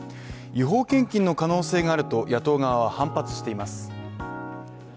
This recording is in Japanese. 違法献金の可能性があると野党側は反発しています。